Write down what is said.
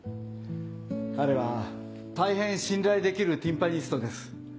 彼は大変信頼できるティンパニストです。